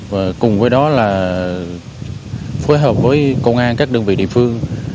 và cùng với đó là phối hợp với công an các đơn vị địa phương